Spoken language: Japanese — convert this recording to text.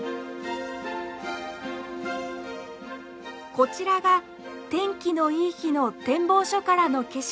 こちらが天気のいい日の展望所からの景色。